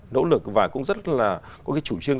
nỗ lực và cũng rất là có cái chủ trương